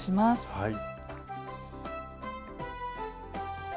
はい。